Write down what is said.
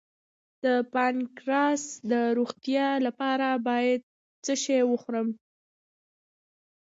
د پانکراس د روغتیا لپاره باید څه شی وخورم؟